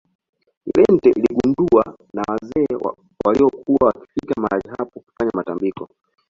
irente iligunduwa na wazee waliokuwa wakifika mahali hapo kufanya matambiko